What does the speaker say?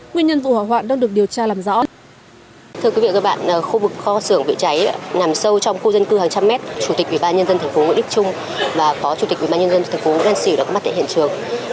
nguyên nhân vụ hỏa hoạn đang được điều tra làm rõ